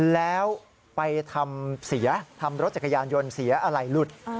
แล้วไปทำเสียทำรถจักรยานยนต์เสียอะไรหลุด